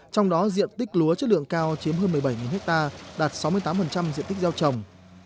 trong đó diện tích lúa chất lượng cao chiếm hơn một mươi bảy ha đạt sáu mươi tám diện tích gieo trồng